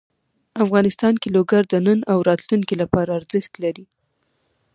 افغانستان کې لوگر د نن او راتلونکي لپاره ارزښت لري.